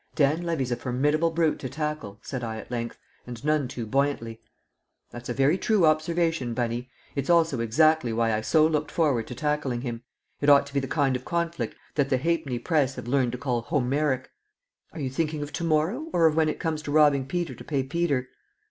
"Dan Levy's a formidable brute to tackle," said I at length, and none too buoyantly. "That's a very true observation, Bunny; it's also exactly why I so looked forward to tackling him. It ought to be the kind of conflict that the halfpenny press have learnt to call Homeric." "Are you thinking of to morrow, or of when it comes to robbing Peter to pay Peter?"